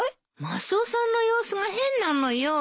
マスオさんの様子が変なのよ。